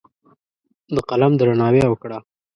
د قلم درناوی وکړه.